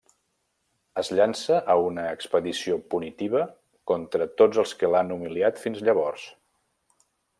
Es llança a una expedició punitiva contra tots els que l'han humiliat fins llavors.